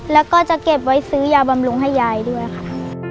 แล้วก็จะเก็บไว้ซื้อยาบำรุงให้ยายด้วยค่ะ